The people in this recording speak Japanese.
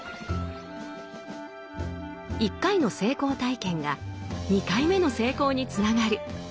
１回の成功体験が２回目の成功につながる。